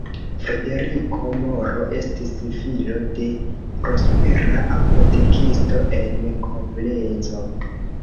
Frederiko Moro estis filo de prospera apotekisto en Koblenco.